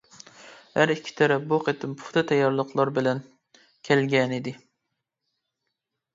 ھەر ئىككى تەرەپ بۇ قېتىم پۇختا تەييارلىقلار بىلەن كەلگەنىدى.